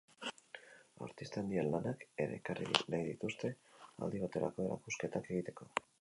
Artista handien lanak ere ekarri nahi dituzte aldi baterako erakusketak egiteko.